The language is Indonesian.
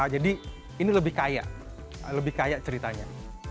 jadi ini lebih kaya lebih kaya ceritanya